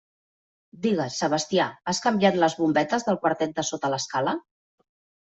Digues, Sebastià, has canviat les bombetes del quartet de sota l'escala?